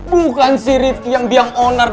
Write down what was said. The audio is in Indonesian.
bukan si riffky yang biang onar